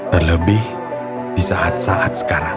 terlebih di saat saat sekarang